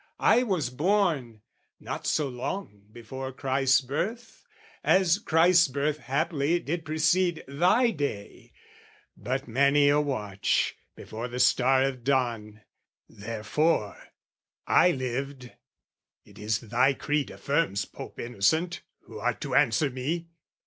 "I was born, not so long before Christ's birth, "As Christ's birth haply did precede thy day, "But many a watch, before the star of dawn: "Therefore I lived, it is thy creed affirms, "Pope Innocent, who art to answer me!